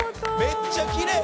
めっちゃきれい！